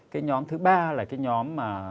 cái nhóm thứ ba là cái nhóm mà